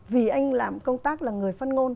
vì anh làm công tác là người phát ngôn